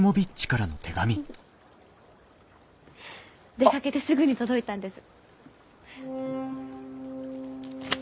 出かけてすぐに届いたんです。